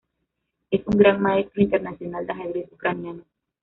Es un Gran Maestro Internacional de ajedrez ucraniano.